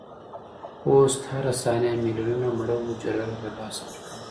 پوست هره ثانیه ملیونونه مړه حجرو له لاسه ورکوي.